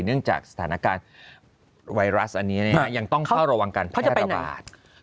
เนื่องจากสถานการณ์ไวรัสอันนี้ยังต้องเฝ้าระวังการแพร่ระบาด